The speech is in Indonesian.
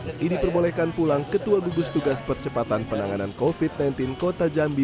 meski diperbolehkan pulang ketua gugus tugas percepatan penanganan covid sembilan belas kota jambi